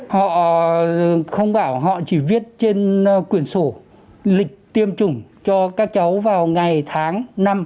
họ không bảo họ chỉ viết trên quyền sổ lịch tiêm chủng cho các cháu vào ngày tháng năm